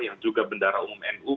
yang juga bendara umum nu